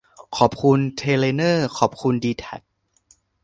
ขอบคุณเทเลนอร์ ขอบคุณดีแทค